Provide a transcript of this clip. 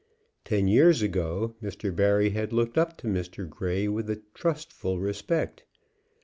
Ten years ago Mr. Barry had looked up to Mr. Grey with a trustful respect.